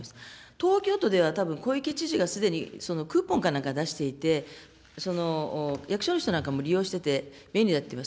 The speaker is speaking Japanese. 東京都ではたぶん、小池知事が、すでにクーポンか何か出していて、役所の人なんかも利用してて、便利だって言います。